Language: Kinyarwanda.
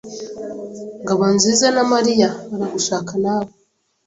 Ngabonzizana Mariya baragushaka nawe.